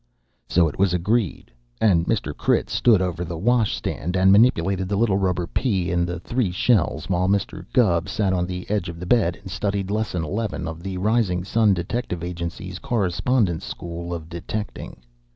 So it was agreed, and Mr. Critz stood over the washstand and manipulated the little rubber pea and the three shells, while Mr. Gubb sat on the edge of the bed and studied Lesson Eleven of the "Rising Sun Detective Agency's Correspondence School of Detecting."